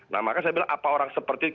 nah maka saya bilang apa orang seperti